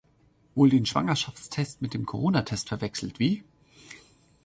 Wohl den Schwangerschaftstest mit dem Coronatest verwechselt, wie?